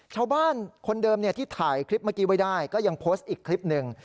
ชาวบ้านคนเดิมที่ถ่ายคลิปเมื่อกี้ไว้ได้ก็ยังโพสต์อีกคลิปหนึ่ง